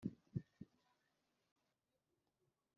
urebye neza wasanga uhubuka